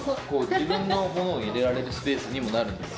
自分のものを入れられるスペースにもなるんです。